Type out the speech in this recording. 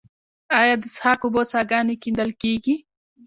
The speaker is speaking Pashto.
آیا د څښاک اوبو څاګانې کیندل کیږي؟